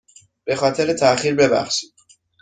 به خاطر تاخیر ببخشید.